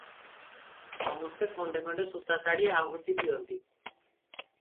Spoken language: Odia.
ସମସ୍ତେ ଖଣ୍ଡେ ଖଣ୍ଡେ ସୂତା ଶାଢ଼ୀ ଆହୁତି ଦିଅନ୍ତି ।